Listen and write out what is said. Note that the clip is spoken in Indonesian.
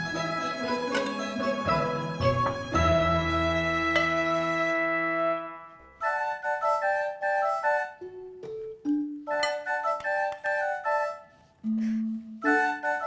bunga itu kan buat bapak